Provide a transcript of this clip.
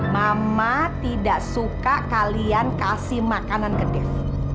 mama tidak suka kalian kasih makanan ke dev